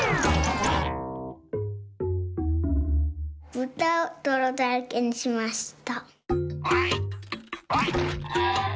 ぶたをどろだらけにしました。